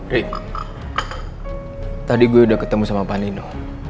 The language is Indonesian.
ray tadi gue udah ketemu sama panino